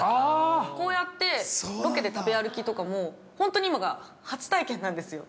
◆こうやって、ロケで食べ歩きとかも、本当に今が初体験なんですよ。